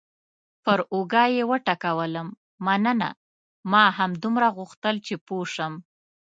پر اوږه یې وټکولم: مننه، ما همدومره غوښتل چې پوه شم.